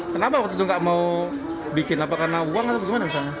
kenapa waktu itu nggak mau bikin apa karena uang atau bagaimana misalnya